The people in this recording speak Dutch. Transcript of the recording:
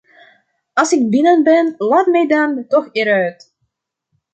Als ik binnen ben, laat mij dan toch eruit!